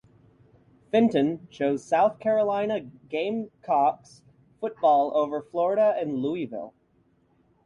Fenton chose South Carolina Gamecocks football over Florida and Louisville.